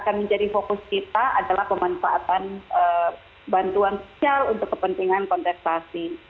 kemudian mobilisasi agar kepentingan konteksasi